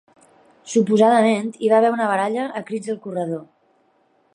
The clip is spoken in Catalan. Suposadament hi va haver una baralla a crits al corredor.